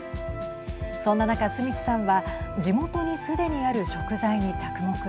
そんな中、スミスさんは地元にすでにある食材に着目。